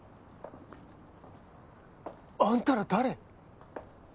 あんたら誰？